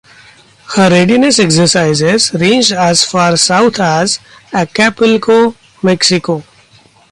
Her readiness exercises ranged as far south as Acapulco, Mexico.